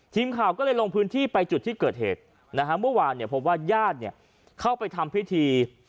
ทีมข่าวก็เลยลงพื้นที่ไปจุดที่เกิดเหตุนะฮะเมื่อวานเนี่ยพบว่าญาติเนี่ยเข้าไปทำพิธี